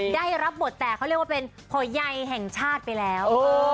ได้รับบทแต่เขาเรียกว่าเป็นพอใยแห่งชาติไปแล้ว